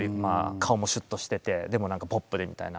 顔もシュッとしててでも何かポップでみたいな。